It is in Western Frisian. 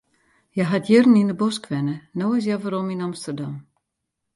Hja hat jierren yn de bosk wenne, no is hja werom yn Amsterdam.